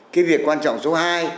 cái việc quan trọng số hai